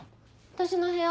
私の部屋。